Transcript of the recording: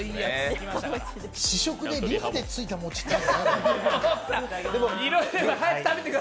試食でリハでついた餅って。